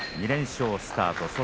２連勝スタート。